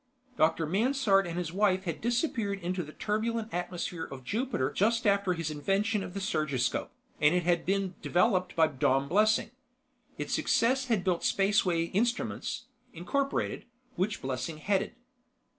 Dr. Mansard and his wife had disappeared into the turbulent atmosphere of Jupiter just after his invention of the surgiscope, and it had been developed by Dom Blessing. Its success had built Spaceway Instruments, Incorporated, which Blessing headed.